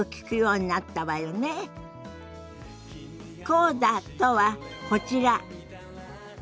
コーダとはこちら。